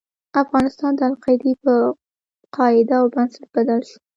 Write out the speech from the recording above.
افغانستان د القاعدې په قاعده او بنسټ بدل شو.